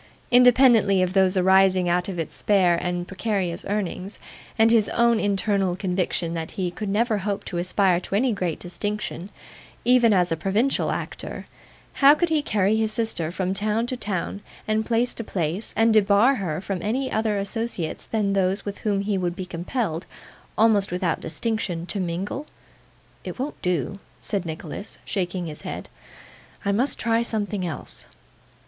Independently of those arising out of its spare and precarious earnings, and his own internal conviction that he could never hope to aspire to any great distinction, even as a provincial actor, how could he carry his sister from town to town, and place to place, and debar her from any other associates than those with whom he would be compelled, almost without distinction, to mingle? 'It won't do,' said Nicholas, shaking his head; 'I must try something else.